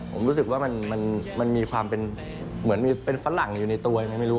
ผมรู้สึกว่ามันมีความเป็นเหมือนมีเป็นฝรั่งอยู่ในตัวยังไงไม่รู้